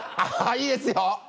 いいですよ！